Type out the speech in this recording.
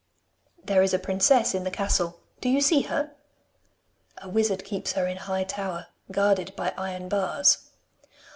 'There is a princess in the castle. Do you see her?' 'A wizard keeps her in a high tower, guarded by iron bars.